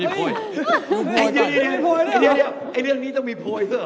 สำเร็จสิ